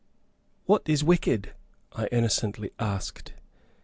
"What is wicked?" I innocently asked.